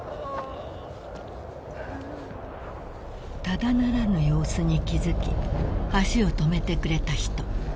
［ただならぬ様子に気付き足を止めてくれた人］